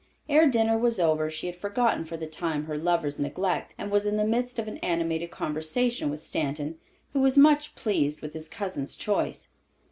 Ere dinner was over she had forgotten for the time her lover's neglect, and was in the midst of an animated conversation with Stanton, who was much pleased with his cousin's choice.